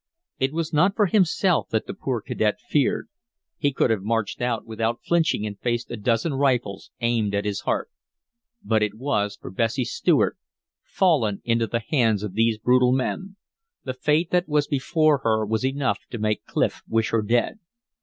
It was not for himself that the poor cadet feared. He could have marched out without flinching and faced a dozen rifles aimed at his heart. But it was for Bessie Stuart, fallen into the hands of these brutal men. The fate that was before her was enough to make Clif wish her dead.